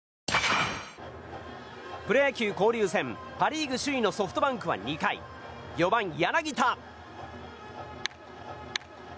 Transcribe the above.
プロ野球交流戦パ・リーグ首位のソフトバンクは、２回４番、柳田。